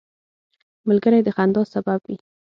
ملګری د خندا سبب وي